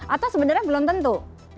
atau sebenarnya belum tentu